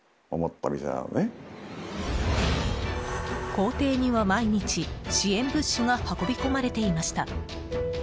公邸には毎日支援物資が運び込まれていました。